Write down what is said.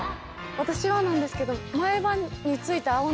私はなんですけど。